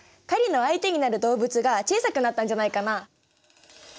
狩りの相手になる動物が小さくなったんじゃないかな。